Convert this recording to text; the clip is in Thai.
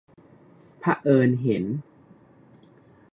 เผอิญเห็น